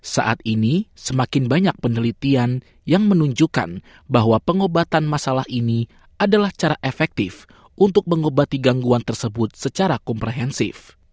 saat ini semakin banyak penelitian yang menunjukkan bahwa pengobatan masalah ini adalah cara efektif untuk mengobati gangguan tersebut secara komprehensif